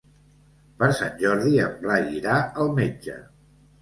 Per Sant Jordi en Blai irà al metge.